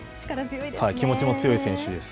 気持ちも強い選手です。